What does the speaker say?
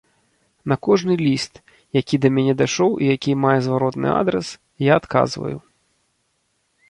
На кожны ліст, які да мяне дайшоў і які мае зваротны адрас, я адказваю.